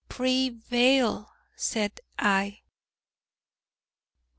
'Pre vail,' said I.